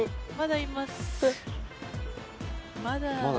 まだ。